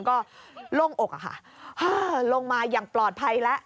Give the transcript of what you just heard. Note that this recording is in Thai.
ก็โล่งอกอะค่ะลงมาอย่างปลอดภัยแล้ว